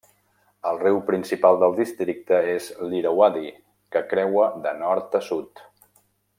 El riu principal del districte és l'Irauadi que el creua de nord a sud.